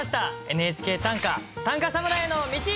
「ＮＨＫ短歌短歌侍への道」。